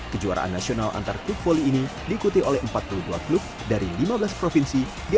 kejuaraan nasional antar klub voli ini diikuti oleh empat puluh dua klub dari lima belas provinsi